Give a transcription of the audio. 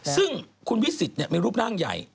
ซึ่งคุณวิสิตเป็นรูปนางใหญ่